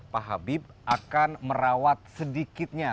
pak habib akan merawat sedikitnya